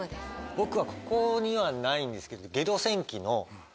僕はここにはないんですけど。